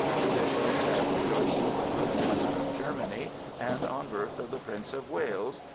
Musicians at rejoicing for good news from Germany, and on birth of the Prince of Wales